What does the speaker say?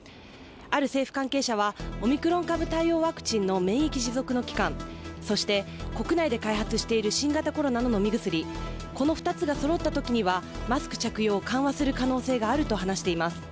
ある政府関係者は、オミクロン株対応ワクチンの免疫持続の期間、そして国内で開発している新型コロナの飲み薬、この２つがそろったときには、マスク着用を緩和する可能性があると話しています。